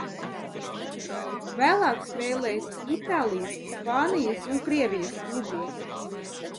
Vēlāk spēlējis Itālijas, Spānijas un Krievijas klubos.